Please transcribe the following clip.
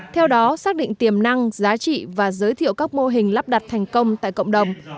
theo đó xác định tiềm năng giá trị và giới thiệu các mô hình lắp đặt thành công tại cộng đồng